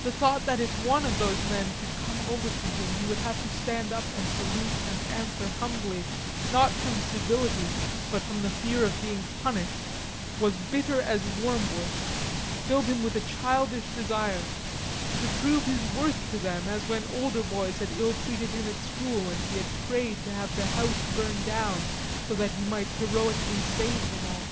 The thought that if one of those men should come over to him, he would have to stand up and salute and answer humbly, not from civility, but from the fear of being punished, was bitter as wormwood, filled him with a childish desire to prove his worth to them, as when older boys had illtreated him at school and he had prayed to have the house burn down so that he might heroically save them all.